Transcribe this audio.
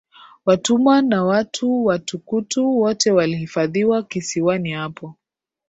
Watumwa na watu watukutu wote walihifadhiwa kisiwani hapo